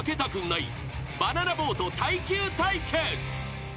［バナナボート耐久対決］